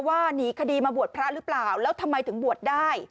หนีคดีมาบวชพระหรือเปล่าแล้วทำไมถึงบวชได้